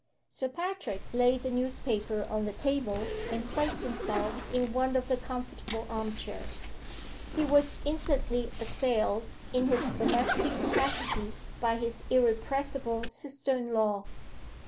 Sir Patrick laid the newspaper on the table and placed himself in one of the comfortable arm chairs. He was instantly assailed, in his domestic capacity, by his irrepressible sister in law.